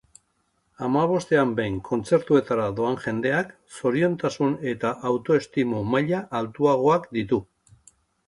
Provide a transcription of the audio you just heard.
Hamabostean behin kontzertuetara doan jendeak zoriontasun eta autoestimu maila altuagoak ditu